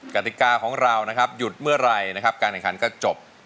กฎิกาของเราหยุดเมื่อไหร่การแข่งขันก็จบ